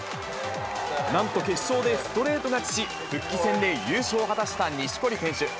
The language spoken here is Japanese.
なんと決勝でストレート勝ちし、復帰戦で優勝を果たした錦織選手。